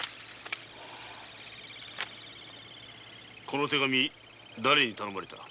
この手紙だれに頼まれた？